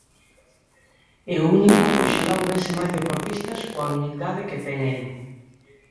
E o único "Oxalá houbese máis deportistas coa humildade que ten el".